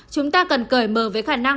chúng ta cần cởi mở với khả năng miễn dịch